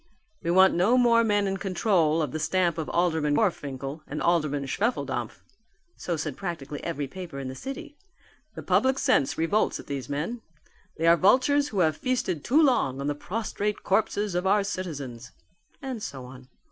"We want no more men in control of the stamp of Alderman Gorfinkel and Alderman Schwefeldampf," so said practically every paper in the city. "The public sense revolts at these men. They are vultures who have feasted too long on the prostrate corpses of our citizens." And so on.